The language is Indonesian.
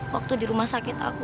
waktu di rumah sakit aku